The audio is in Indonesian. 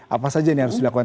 apa saja ini harus dilakukan